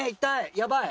やばい！